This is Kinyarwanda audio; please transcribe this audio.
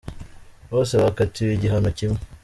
Bose bakatiwe igihano kimwe.